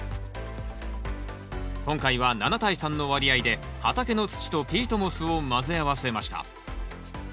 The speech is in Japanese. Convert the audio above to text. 今回は７対３の割合で畑の土とピートモスを混ぜ合わせました。